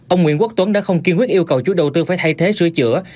ông nguyễn quốc tuấn đã không kiên quyết yêu cầu chủ đầu tư phải thay thế sửa chữa